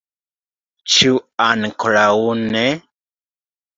Ĉu ankoraŭ ne?